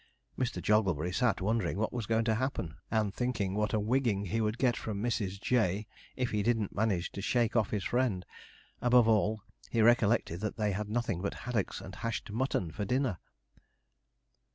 Mr. Jogglebury sat wondering what was going to happen, and thinking what a wigging he would get from Mrs. J. if he didn't manage to shake off his friend. Above all, he recollected that they had nothing but haddocks and hashed mutton for dinner.